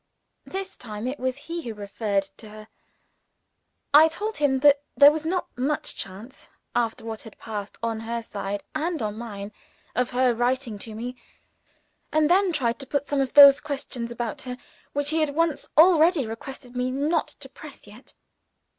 (This time it was he who referred to her!) I told him that there was not much chance, after what had passed on her side and on mine, of her writing to me and then tried to put some of those questions about her which he had once already requested me not to press yet.